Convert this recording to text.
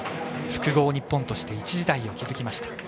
複合日本として一時代を築きました。